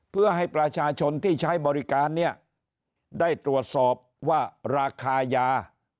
เพื่อให้ประชาชนที่ใช้บริการเนี่ยได้ตรวจสอบว่าราคายา